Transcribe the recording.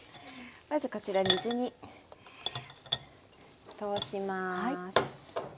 まずこちら水に通します。